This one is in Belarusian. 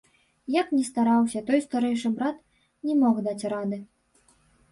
Як ні стараўся той старэйшы брат, не мог даць рады.